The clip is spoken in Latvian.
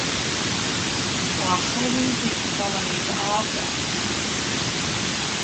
Klasē viņa tiktu pamanīta ātrāk...